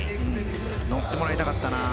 乘ってもらいたかったな。